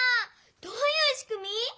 どういうしくみ？